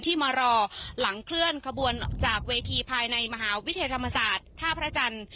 มารอหลังเคลื่อนขบวนจากเวทีภายในมหาวิทยาลัยธรรมศาสตร์ท่าพระจันทร์